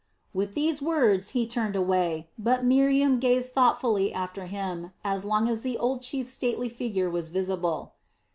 With these words he turned away; but Miriam gazed thoughtfully after him as long as the old chief's stately figure was visible.